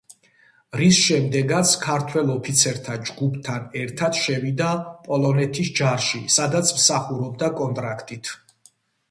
რის შემდეგაც ქართველ ოფიცერთა ჯგუფთან ერთად შევიდა პოლონეთის ჯარში, სადაც მსახურობდა კონტრაქტით.